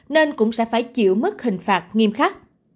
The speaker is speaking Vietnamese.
nên cũng sẽ phải chịu mức hình phạt nghiêm khắc